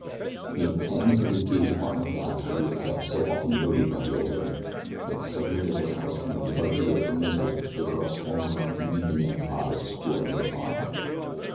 The intentness of his gaze upon her back had the effect so often noted by the observant, and suddenly aroused from the lethargy of her misery the girl swung around to meet the man's eyes squarely upon her.